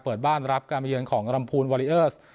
เปิดบ้านรับการไปเยินของลำพูลวารีเออร์ส